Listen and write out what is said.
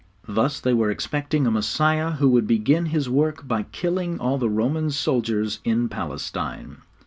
Thus they were expecting a Messiah who would begin his work by killing all the Roman soldiers in Palestine.